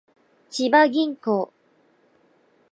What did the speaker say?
千葉銀行